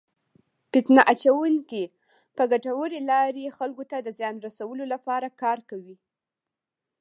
فتنه اچونکي په ګټورې لارې خلکو ته د زیان رسولو لپاره کار کوي.